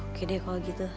oke deh kalau gitu